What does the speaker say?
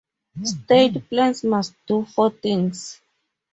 State plans must do four things.